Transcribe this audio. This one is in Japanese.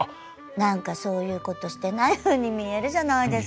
何かそういうことしてないふうに見えるじゃないですか。